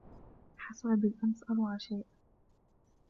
حصل بالأمس أروع شيء.